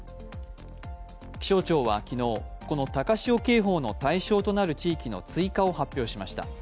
気象庁は昨日、この高潮警報の対象となる地域の追加を発表しました。